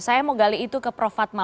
saya mau gali itu ke prof fatma